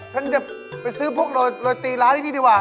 ขั้นจะไปซื้อรสละตีร้านนี่ดีดีกว่า